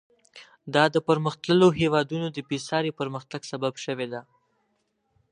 دا د پرمختللو هېوادونو د بېساري پرمختګ سبب شوې ده.